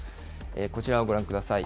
こちらをご覧ください。